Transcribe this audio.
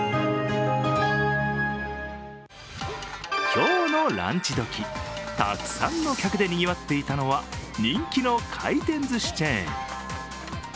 今日のランチ時、たくさんの客で賑わっていたのは人気の回転ずしチェーン。